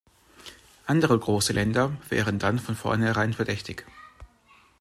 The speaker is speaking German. Andere große Länder wären dann von vornherein verdächtig.